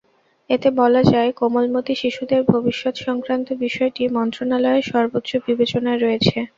এতে বলা হয়, কোমলমতি শিশুদের ভবিষ্যত্-সংক্রান্ত বিষয়টি মন্ত্রণালয়ের সর্বোচ্চ বিবেচনায় রয়েছে।